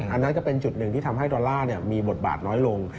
อันนั้นก็เป็นจุดหนึ่งที่ทำให้ดอลลาร์มีบทบาทน้อยลง